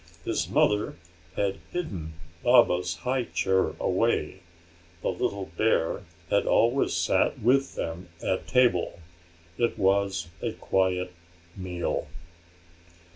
His mother had hidden Baba's high chair away; the little bear had always sat with them at table. It was a quiet meal.